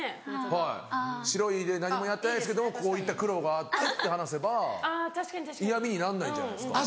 はい白いで何もやってないけどこういった苦労があってって話せば嫌みになんないんじゃないですか。